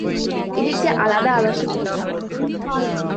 এটি একটি আলাদা আবাসিক বিভাগ।